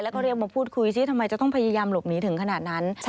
แล้วก็เรียกมาพูดคุยซิทำไมจะต้องพยายามหลบหนีถึงขนาดนั้น